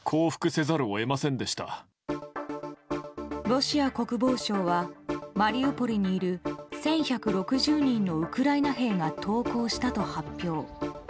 ロシア国防省はマリウポリにいる１１６０人のウクライナ兵が投降したと発表。